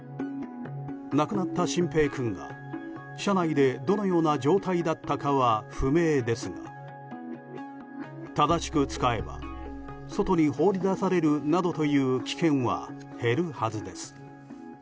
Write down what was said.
亡くなった慎平君が車内でどのような状態だったかは不明ですが、正しく使えば外に放り出されるなどという危険は減るはずです。